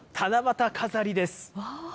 この七夕飾りです。